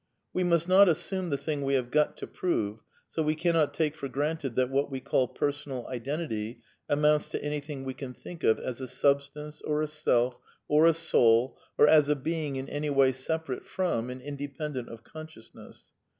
We must not assume the thing we have got to prove; so we cannot take for granted that what we call Personal Identity amounts to anything we think of as a substance, or a self, or a soul, or as a being in any way separate from and independent of consciousness.